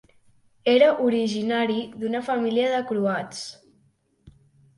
Era originari d'una família de croats.